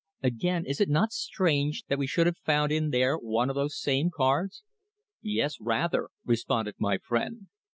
"Again, is it not strange that we should have found in there one of those same cards?" "Yes, rather," responded my friend.